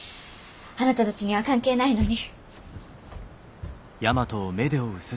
あなたたちには関係ないのに。